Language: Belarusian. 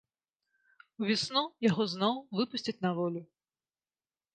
Увесну яго зноў выпусцяць на волю.